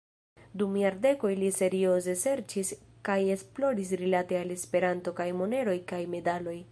Dum jardekoj li serioze serĉis kaj esploris rilate al Esperanto kaj moneroj kaj medaloj.